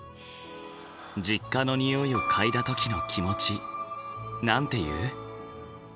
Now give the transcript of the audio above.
実家のにおいを嗅いだ時の気持ちなんて言う？